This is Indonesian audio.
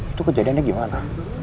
itu kejadiannya gimana